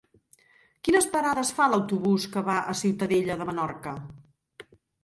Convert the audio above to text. Quines parades fa l'autobús que va a Ciutadella de Menorca?